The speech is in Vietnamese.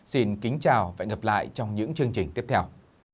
xin kính chào và hẹn gặp lại trong những chương trình tiếp theo